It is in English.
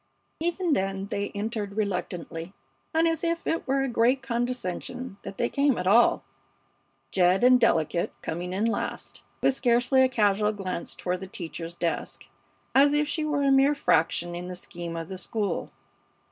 Even then they entered reluctantly and as if it were a great condescension that they came at all, Jed and "Delicate" coming in last, with scarcely a casual glance toward the teacher's desk, as if she were a mere fraction in the scheme of the school.